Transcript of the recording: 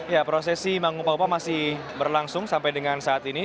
ya prosesi mengupa upah masih berlangsung sampai dengan saat ini